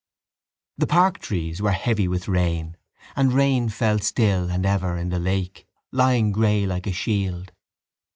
The park trees were heavy with rain; and rain fell still and ever in the lake, lying grey like a shield.